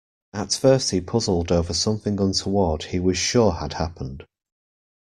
At first he puzzled over something untoward he was sure had happened.